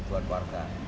untuk kekuatan warga